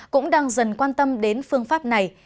cũng đang dần quan tâm đến phương pháp này